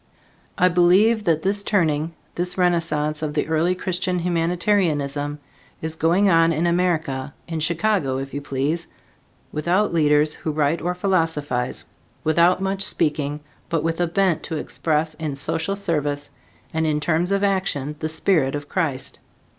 I believe that this turning, this renaissance of the early Christian humanitarianism, is going on in America, in Chicago, if you please, without leaders who write or philosophize, without much speaking, but with a bent to express in social service and in terms of action the spirit of Christ.